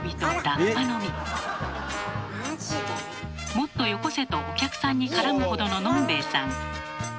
もっとよこせとお客さんに絡むほどの飲んべえさん。